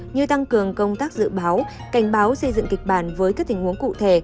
như tăng cường công tác dự báo cảnh báo xây dựng kịch bản với các tình huống cụ thể